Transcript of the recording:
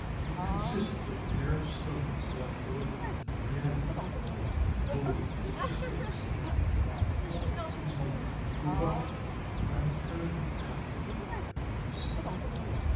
It consists of a pair of stones about four feet in diameter, the lower of which is fixed whilst the upper is made to revolve by mechanical power at a high speed.